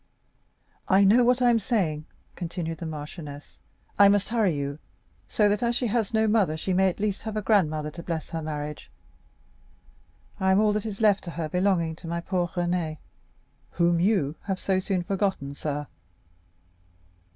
"I know what I am saying," continued the marchioness; "I must hurry you, so that, as she has no mother, she may at least have a grandmother to bless her marriage. I am all that is left to her belonging to my poor Renée, whom you have so soon forgotten, sir."